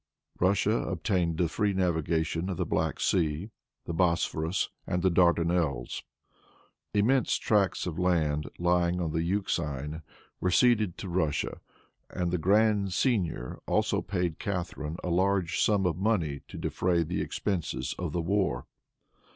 Russia obtained the free navigation of the Black Sea, the Bosporus and the Dardanelles. Immense tracts of land, lying on the Euxine, were ceded to Russia, and the Grand Seignior also paid Catharine a large sum of money to defray the expenses of the war.